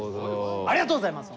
ありがとうございます。